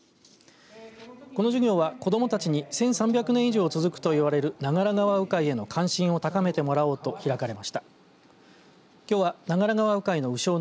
この授業は子どもたちに１３００年以上続くといわれる長良川鵜飼への関心を高めてもらおうと開かれました。